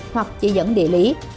hoặc chỉ dẫn địa lý